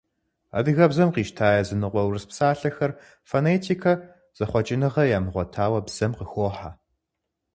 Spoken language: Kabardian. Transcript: Адыгэбзэм къищта языныкъуэ урыс псалъэхэр фонетикэ зэхъуэкӏыныгъэ ямыгъуэтауэ бзэм къыхохьэ.